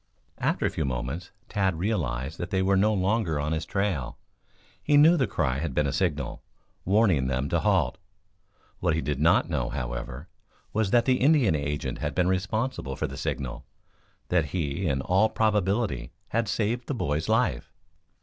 After a few moments Tad realized that they were no longer on his trail. He knew the cry had been a signal, warning them to halt. What he did not know, however, was that the Indian agent had been responsible for the signal; that he in all probability had saved the boy's life.